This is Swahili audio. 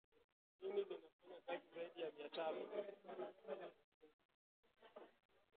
ini linafanya kazi zaidi ya mia tano